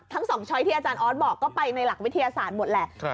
ทั้ง๒ช้อยที่อาจารย์ออสบอกก็ไปในหลักวิทยาศาสตร์หมดแหละ